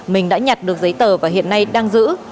mình đã nhặt được giấy tờ và hiện nay đang giữ